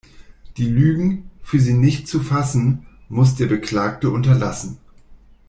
Die Lügen, für sie nicht zu fassen, muss der Beklagte unterlassen.